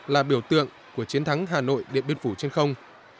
là biểu tượng của chiến thắng hà nội điện biên phủ trên không